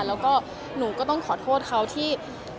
แล้วก็หนูก็ต้องขอโทษเขาที่